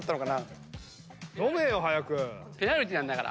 飲めよ早く。